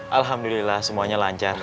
alhamdulillah semuanya lancar